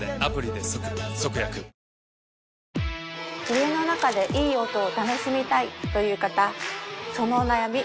家の中でいい音を楽しみたいという方そのお悩み